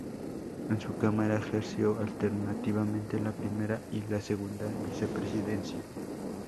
En su cámara ejerció alternativamente la primera y la segunda vicepresidencia.